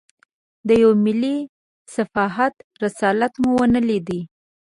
د یوه ملي صحافت رسالت مو ونه لېدای.